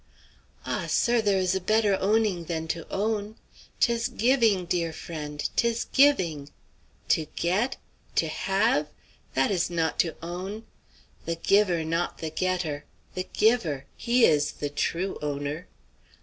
"Ah! sir, there is a better owning than to own. 'Tis giving, dear friend; 'tis giving. To get? To have? That is not to own. The giver, not the getter; the giver! he is the true owner.